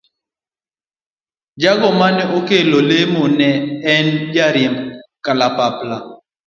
Jago mane okelo lemo no ne en jariemb kalapapla.